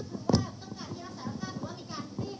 ครับก็เดี๋ยวเชิญพี่น้องสมุทรจะสอบถามไหม